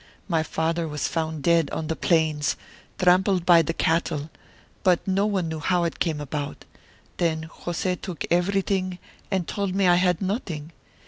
My father was found dead on the plains, trampled by the cattle, but no one knew how it came about. Then José took everything and told me I had nothing.